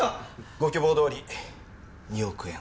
ご希望どおり２億円。